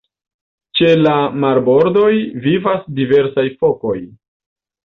Ĉe la marbordoj vivas diversaj fokoj.